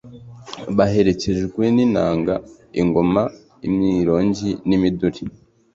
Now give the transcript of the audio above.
baherekejwe n'inanga, ingoma, imyirongi n'imiduri